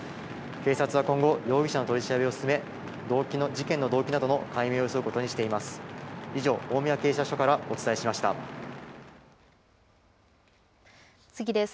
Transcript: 警察は今後、容疑者の取り調べを進め、事件の動機などの解明を急ぐことにしています。